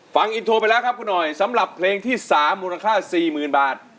ฟังอินโทรไปแล้วครับคุณหน่อยสำหรับเพลงที่๓มูลค่า๔๐๐๐บาท